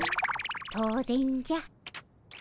当然じゃ。